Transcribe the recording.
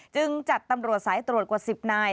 จึงจัดตำรวจสายตรวจกว่า๑๐นาย